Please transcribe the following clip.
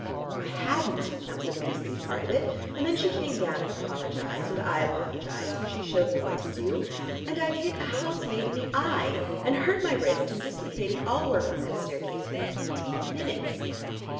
I hadn't; that was the beastly part of it, and then she came down and apologised, and I apologised and she shewed me what to do, and I hit a housemaid in the eye and hurt my wrist, and dislocated all work on that stair case for twenty minutes.